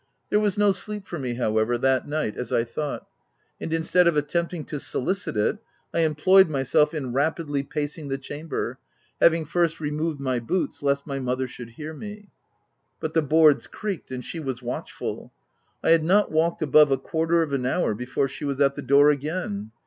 There was no OF WILDFELL HALL. 221 sleep for me however, that night, as I thought ; and instead of attempting to solicit it, I em ployed myself in rapidly pacing the chamber — having first removed my boots lest my mother should hear me. But the boards creaked, and she was watchful. I had not walked above a quarter of an hour before she was at the door again.